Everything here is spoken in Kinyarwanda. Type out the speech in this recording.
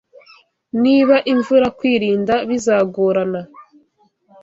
Niba imvura kwirinda bizagorana.